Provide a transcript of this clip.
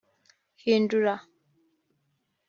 Hindura